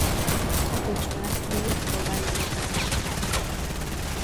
کشورهای خاور مدیترانه